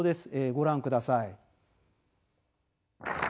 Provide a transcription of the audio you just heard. ご覧ください。